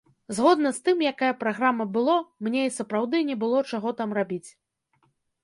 Згодна з тым, якая праграма было, мне і сапраўды не было чаго там рабіць.